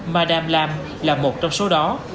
madame lam là một trong số đó